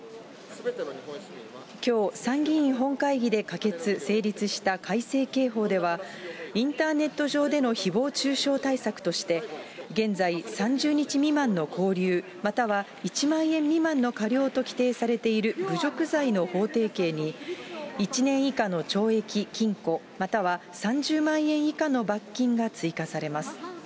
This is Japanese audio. きょう、参議院本会議で可決・成立した改正刑法では、インターネット上でのひぼう中傷対策として、現在、３０日未満の拘留または１万円未満の科料と規定されている侮辱罪の法定刑に、１年以下の懲役・禁錮、または３０万円以下の罰金が追加されます。